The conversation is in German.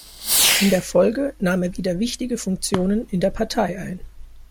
In der Folge nahm er wieder wichtige Funktionen in der Partei ein.